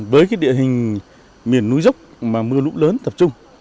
với cái địa hình miền núi dốc mà mưa lũ lớn tập trung